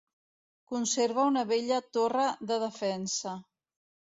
Conserva una vella torre de defensa.